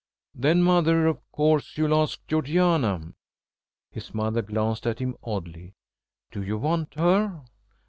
"Then, mother, of course, you'll ask Georgiana?" His mother glanced at him oddly. "Do you want her?"